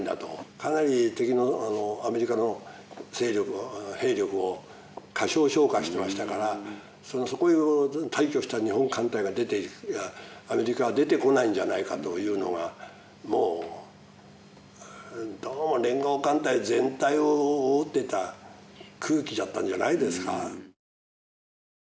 かなりアメリカの兵力を過小評価してましたからそこへ大挙した日本艦隊が出ていけばアメリカは出てこないんじゃないかというのがどうも連合艦隊全体を覆ってた空気だったんじゃないですか。